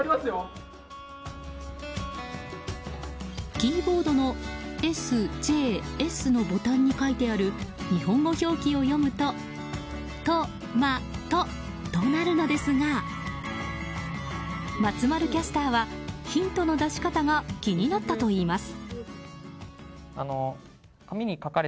キーボードの「ＳＪＳ」のボタンに書いてある日本語表記を読むと「とまと」となるのですが松丸キャスターはヒントの出し方が気になったといいます。